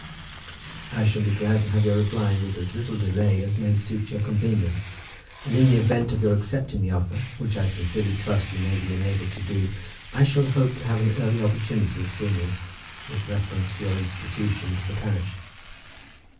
I shall be glad to have your reply with as little delay as may suit your convenience, and in the event of your accepting the offer, which I sincerely trust you may be enabled to do, I shall hope to have an early opportunity of seeing you, with reference to your institution to the parish.